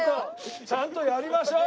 ちゃんとやりましょう。